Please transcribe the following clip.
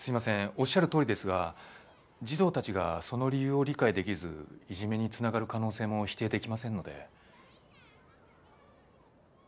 おっしゃるとおりですが児童たちがその理由を理解できずいじめに繋がる可能性も否定できませんので。